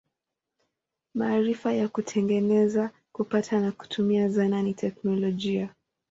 Maarifa ya kutengeneza, kupata na kutumia zana ni teknolojia.